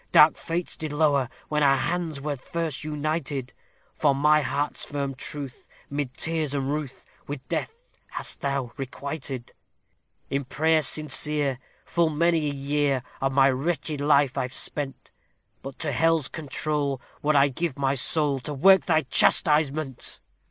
dark fates did lower, when our hands were first united, For my heart's firm truth, 'mid tears and ruth, with death hast thou requited: In prayer sincere, full many a year of my wretched life I've spent; But to hell's control would I give my soul to work thy chastisement!"